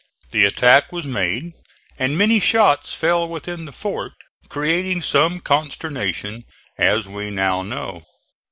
The attack was made and many shots fell within the fort, creating some consternation, as we now know.